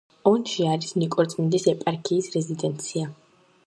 ონში არის ნიკორწმინდის ეპარქიის რეზიდენცია.